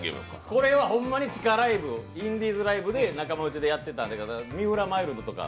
これはほんまに地下ライブ、インディーズライブで仲間内でやっていたんですけど三浦マイルドとか。